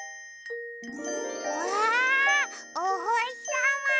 わあおほしさま！